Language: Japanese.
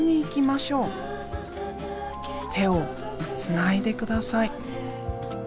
てをつないでください」。